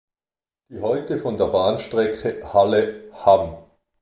Die heute von der Bahnstrecke Halle–Hann.